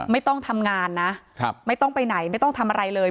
ไม่ต้องทำงานนะไม่ต้องไปไหนไม่ต้องทำอะไรเลย